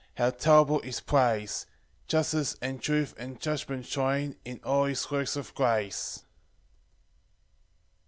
How terrible his praise! Justice, and truth, and judgment join In all his works of grace.